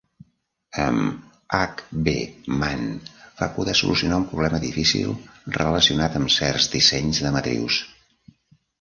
Amb H. B. Mann, va poder solucionar un problema difícil relacionat amb certs dissenys de matrius.